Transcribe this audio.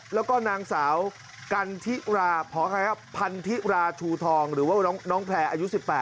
แล้วก็นางสาวกันทิราขอพันธิราชูทองหรือว่าน้องแพลร์อายุ๑๘